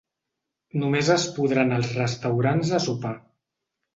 Només es podrà anar als restaurants a sopar.